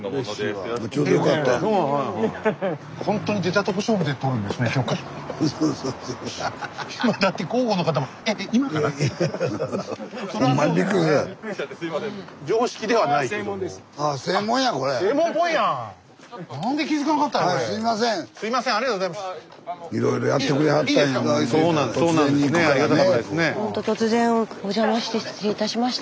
スタジオほんと突然お邪魔して失礼いたしました。